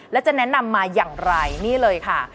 แล้วจะแนะนำมาอย่างไรนี่เลยค่ะ